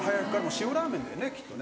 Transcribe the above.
塩ラーメンだよねきっとね。